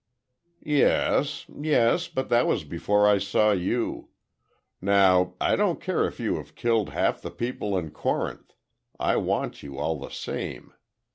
"Yes, yes; but that was before I saw you. Now, I don't care if you have killed half the people in Corinth, I want you all the same.